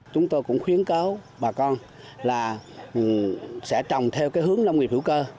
chúng tôi cũng khuyến cáo bà con là sẽ trồng theo cái hướng nông nghiệp hữu cơ